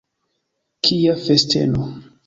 Kia festeno!